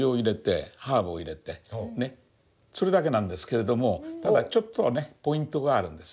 それだけなんですけれどもただちょっとねポイントがあるんです。